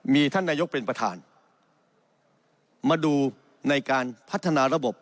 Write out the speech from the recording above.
มีท่านนายกเป็นประธานมาดูในการพัฒนาระบบ